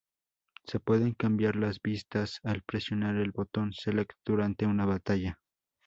Se pueden cambiar las vistas al presionar el botón Select durante una batalla.